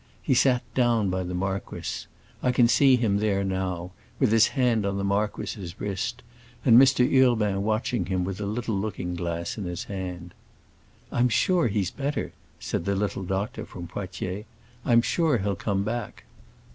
He sat down by the marquis; I can see him there now, with his hand on the marquis's wrist, and Mr. Urbain watching him with a little looking glass in his hand. 'I'm sure he's better,' said the little doctor from Poitiers; 'I'm sure he'll come back.